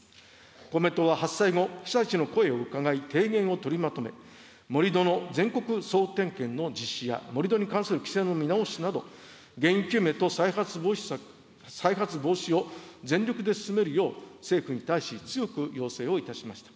公明党は発災後、被災地の声を伺い、提言を取りまとめ、盛土の全国総点検の実施や、盛土に関する規制の見直しなど、原因究明と再発防止策、再発防止を全力で進めるよう、政府に対し強く要請をいたしました。